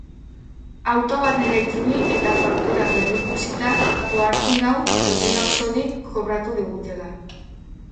Auto barnera itzuli eta faktura berrikusita ohartu nauk eguna osorik kobratu digutela.